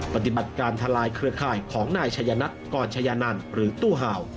ปฏิบัติการทลายเครือข่ายของนายชัยนัทกรชายานันหรือตู้เห่า